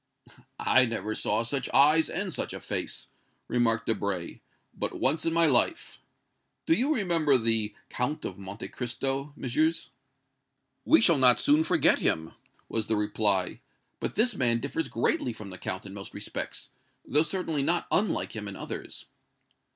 "I never saw such eyes and such a face," remarked Debray, "but once in my life. Do you remember the Count of Monte Cristo, Messieurs?" "We shall not soon forget him," was the reply. "But this man differs greatly from the Count in most respects, though certainly not unlike him in others."